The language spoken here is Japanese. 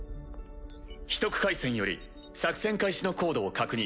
秘匿回線より作戦開始のコードを確認。